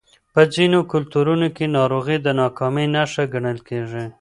په ځینو کلتورونو کې ناروغي د ناکامۍ نښه ګڼل کېږي.